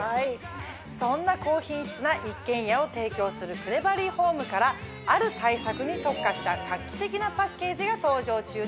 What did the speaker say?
そんな高品質な一軒家を提供するクレバリーホームからある対策に特化した画期的なパッケージが登場中です。